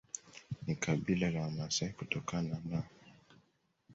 ni kabila la Wamasai kutokana na